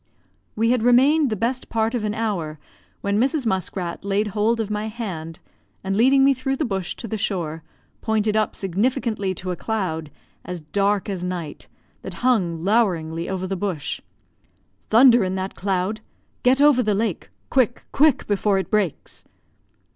We had remained the best part of an hour, when Mrs. Muskrat laid hold of my hand, and leading me through the bush to the shore, pointed up significantly to a cloud, as dark as night, that hung loweringly over the bush. "Thunder in that cloud get over the lake quick, quick, before it breaks."